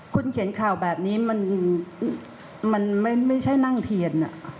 คุณเขียนข่าวแบบนี้มันไม่ใช่นั่งเทียน